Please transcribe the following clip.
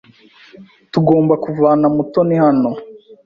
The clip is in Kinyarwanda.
Tugomba kuvana Mutoni hano.